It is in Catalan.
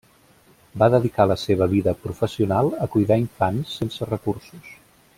Va dedicar la seva vida professional a cuidar infants sense recursos.